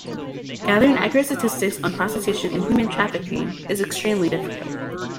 Gathering accurate statistics on prostitution and human trafficking is extremely difficult.